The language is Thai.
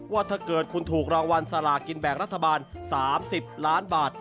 ว่าเกิดถ้าคุณรางวัลสลากกินแบงฯรัฐบาล๓๐ล้านบาท